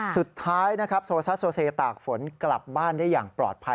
สุดท้ายนะครับโซซ่าโซเซตากฝนกลับบ้านได้อย่างปลอดภัย